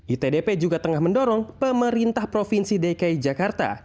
itdp juga tengah mendorong pemerintah provinsi dki jakarta